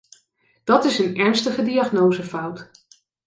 Dat is een ernstige diagnosefout.